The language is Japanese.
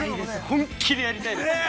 ◆本気でやりたいですね。